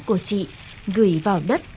của chị gửi vào đất